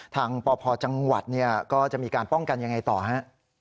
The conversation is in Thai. ทางปพจังหวัดก็จะมีการป้องกันอย่างไรต่อฮะ